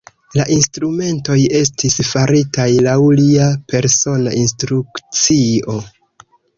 La instrumentoj estis faritaj laŭ lia persona instrukcio.